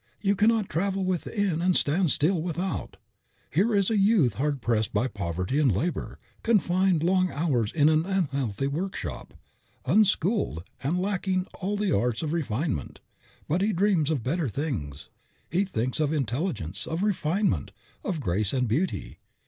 You cannot travel within and stand still without. Here is a youth hard pressed by poverty and labor; confined long hours in an unhealthy workshop; unschooled, and lacking all the arts of refinement. But he dreams of better things; he thinks of intelligence, of refinement, of grace and beauty.